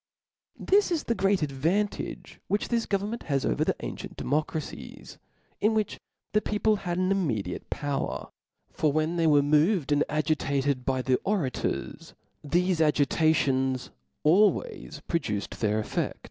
This is the great advantage which this govern ment has over the ancient democracies, in which the people had an immediate power $ for when they were moved and agiuted by the orators, thefe agi tations always produced their c&£k.